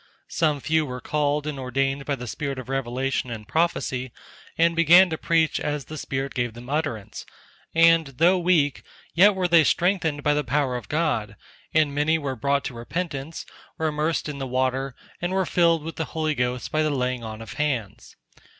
Some few were called and ordained by the spirit of revelation, and prophecy, and began to preach as the spirit gave them utterance, and though weak, yet were they strengthened by the power of God, and many were brought to repentance, were immersed in the water, and were filled with the Holy Ghost by the laying on of hands.